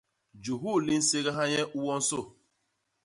Juhul li nségha nye u wonsô.